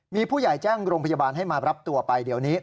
มีผู้ใหญ่แจ้งโรงพยาบาลให้มารับตัวไปเดี๋ยวนี้